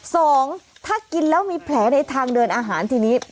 สองถ้ากินแล้วมีแผลในทางเดินอาหารทีนี้